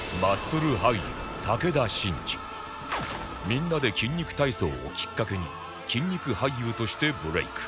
『みんなで筋肉体操』をきっかけに筋肉俳優としてブレーク